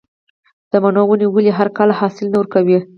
د مڼو ونې ولې هر کال حاصل نه ورکوي؟